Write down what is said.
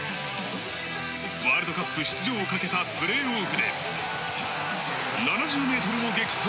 ワールドカップ出場をかけたプレーオフで、７０ｍを激走。